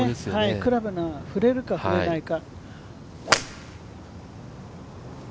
クラブが振れるか振れないか。